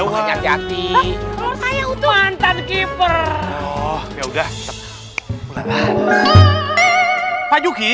mantan kipur ya udah